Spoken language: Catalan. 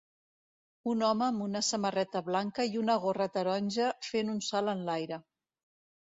Un home amb una samarreta blanca i una gorra taronja fent un salt enlaire.